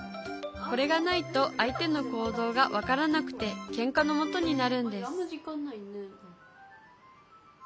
これがないと相手の行動が分からなくてケンカのもとになるんです